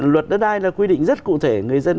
luật đất đai là quy định rất cụ thể